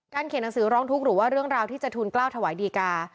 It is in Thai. เขียนหนังสือร้องทุกข์หรือว่าเรื่องราวที่จะทูลกล้าวถวายดีกา